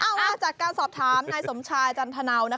จากการสอบถามนายสมชายจันทนาว